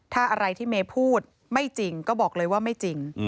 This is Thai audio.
ถ้าอะไรที่เมย์พูดไม่จริงก็บอกเลยว่าไม่จริง